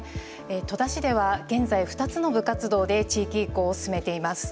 戸田市では現在、２つの部活動で地域移行を進めています。